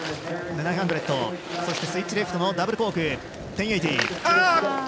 そしてスイッチレフトのダブルコーク１０８０。